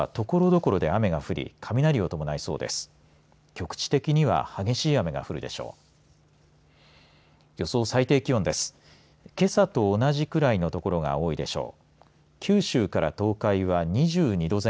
局地的には激しい雨が降るでしょう。